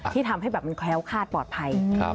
ที่ทำให้แบบมันแคล้วคาดปลอดภัย